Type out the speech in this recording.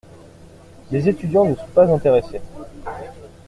Les étudiants ne sont pas intéressés.